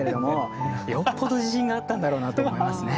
よっぽど自信があったんだろうなと思いますね。